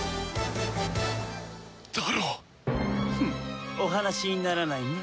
フンお話にならないね。